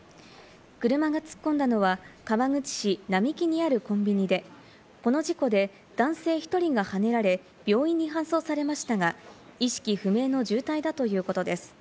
車が突っ込んだのは川口市並木にあるコンビニで、この事故で男性１人がはねられ、病院に搬送されましたが、意識不明の重体だということです。